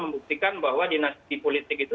membuktikan bahwa dinasti politik itu